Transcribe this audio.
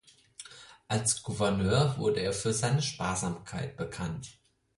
Als Gouverneur wurde er für seine Sparsamkeit bekannt.